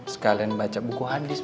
sekalian baca buku hadis